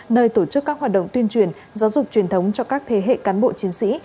nơi tổ chức các hoạt động tuyên truyền giáo dục truyền thống cho các thế hệ cán bộ chiến sĩ